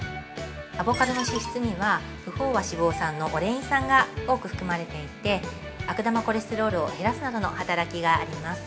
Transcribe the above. アボカドの脂質には不飽和脂肪酸のオレイン酸が多く含まれていて悪玉コレステロールを減らすなどの働きがあります。